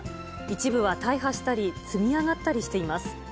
一部は大破したり、積み上がったりしています。